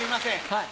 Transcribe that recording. はい。